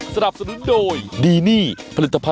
สวัสดีค่ะ